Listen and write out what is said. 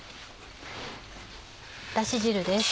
だし汁です。